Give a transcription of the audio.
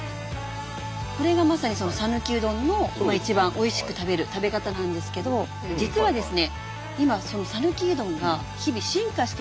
これがまさにさぬきうどんの一番おいしく食べる食べ方なんですけど実はですね